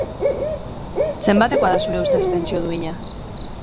Zenbatekoa da, zure ustez, pentsio duina?